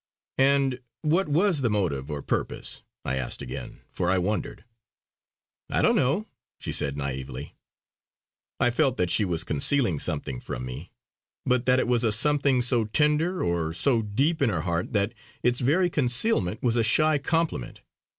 "And what was the motive or purpose?" I asked again, for I wondered. "I don't know!" she said naively. I felt that she was concealing something from me; but that it was a something so tender or so deep in her heart that its very concealment was a shy compliment.